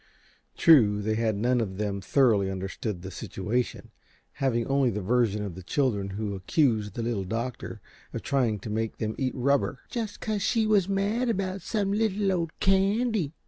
True, they had none of them thoroughly understood the situation, having only the version of the children, who accused the Little Doctor of trying to make them eat rubber "just cause she was mad about some little old candy."